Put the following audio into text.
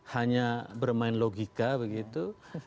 hanya bermain logika begitu